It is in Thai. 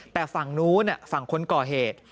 แต่ฝั่งนู้นฝั่งคนก่อเหตุ